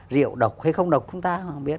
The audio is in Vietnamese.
rượu độc hay không độc chúng ta không biết